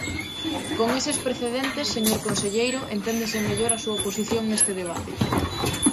Con eses precedentes, señor conselleiro, enténdese mellor a súa posición neste debate.